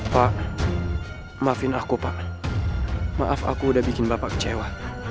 pak maafin aku pak maaf aku udah bikin bapak kecewa